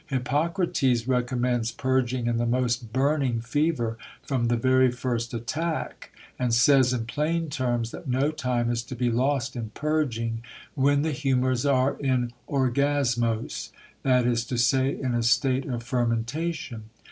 Hippocrates recommends purging in the most burning fever from the very first attack, and says in plain terms that no time is to be lost in purging when the humours are in opyaoixot;, that is to say, in a state of fermentation.